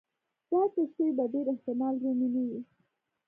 دا کښتۍ په ډېر احتمال رومي نه وې.